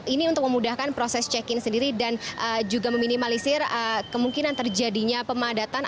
ini untuk memudahkan proses check in sendiri dan juga meminimalisir kemungkinan terjadinya pemadatan